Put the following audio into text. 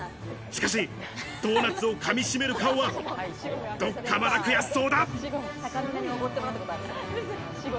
しかし、ドーナツをかみしめる顔は、どこかまだ悔しそうだ。